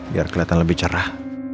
biar kelihatan lebih cerah